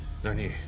何？